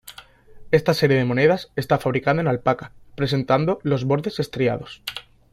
Esta serie de monedas, está fabricada en alpaca, presentando los bordes estriados.